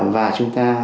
và chúng ta